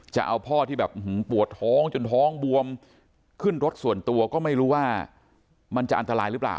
จะเอาพ่อที่แบบปวดท้องจนท้องบวมขึ้นรถส่วนตัวก็ไม่รู้ว่ามันจะอันตรายหรือเปล่า